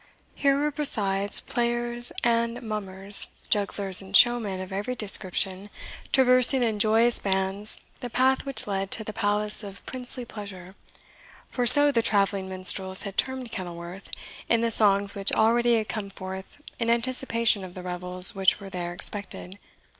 Here were, besides, players and mummers, jugglers and showmen, of every description, traversing in joyous bands the paths which led to the Palace of Princely Pleasure; for so the travelling minstrels had termed Kenilworth in the songs which already had come forth in anticipation of the revels which were there expected.